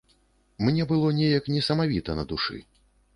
Мне было неяк несамавіта на душы.